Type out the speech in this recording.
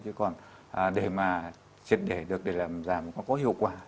chứ còn để mà triệt để được để làm giảm nó có hiệu quả